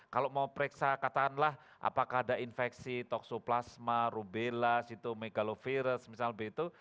kalau mau periksa katakanlah apakah ada infeksi toksoplasma rubella megalovirus misalnya begitu